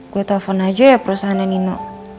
gue telfon aja ya perusahaan nino